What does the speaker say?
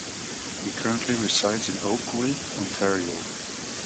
He currently resides in Oakville, Ontario.